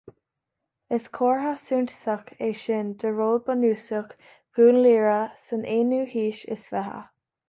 Is comhartha suntasach é sin de ról bunúsach Dhún Laoghaire san aonú haois is fiche